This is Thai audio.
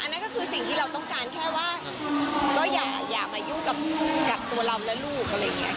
นั่นก็คือสิ่งที่เราต้องการแค่ว่าก็อย่ามายุ่งกับตัวเราและลูกอะไรอย่างนี้